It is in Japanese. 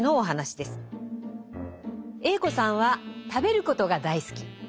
Ａ子さんは食べることが大好き。